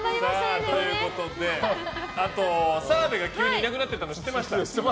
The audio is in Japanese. あと、澤部が急にいなくなってたの知ってました？